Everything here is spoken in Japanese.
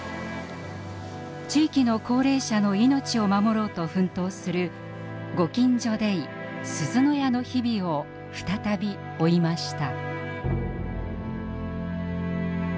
地域の高齢者の命を守ろうと奮闘するご近所デイ・すずの家の日々を再び追いました。